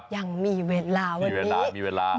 ยังมีเวลาวันนี้มีเวลา